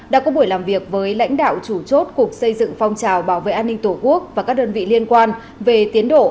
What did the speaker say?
đã có buổi làm việc với lãnh đạo chủ chốt cục xây dựng phong trào bảo vệ an ninh tổ quốc và các đơn vị liên quan về tiến độ